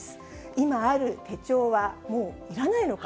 今ある手帳はもういらないのか？